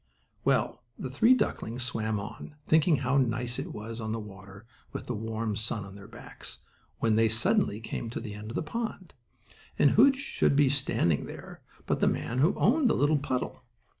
Well, the three ducklings swam on, thinking how nice it was on the water, with the warm sun on their backs, when they suddenly came to the end of the pond. And who should be standing there but the man who owned the little puddle.